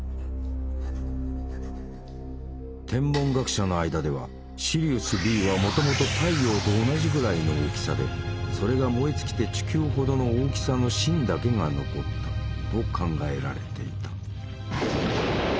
天文学者の間ではシリウスＢはもともと太陽と同じぐらいの大きさでそれが燃え尽きて地球ほどの大きさの芯だけが残ったと考えられていた。